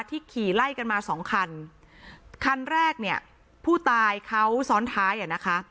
ขี่ไล่กันมาสองคันคันแรกเนี่ยผู้ตายเขาซ้อนท้ายอ่ะนะคะ